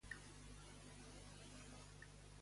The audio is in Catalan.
Quina acció potser durà a terme Gutiérrez?